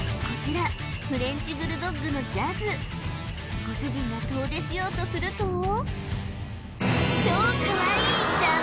こちらフレンチ・ブルドッグのジャズご主人が遠出しようとすると